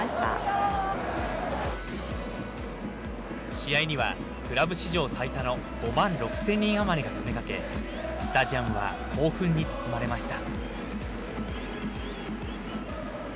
試合には、クラブ史上最多の５万６０００人余りが詰めかけ、スタジアムは興奮に包まれました。